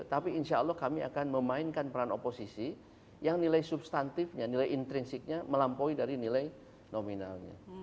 tapi insya allah kami akan memainkan peran oposisi yang nilai substantifnya nilai intrinsiknya melampaui dari nilai nominalnya